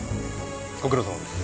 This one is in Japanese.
ご苦労さまです。